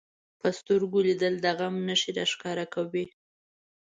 په سترګو لیدل د غم نښې راښکاره کوي